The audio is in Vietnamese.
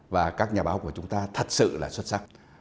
và các nhà báo của chúng ta thật sự là xuất sắc